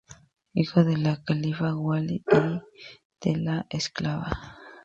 Hijo del califa Walid I y de una esclava.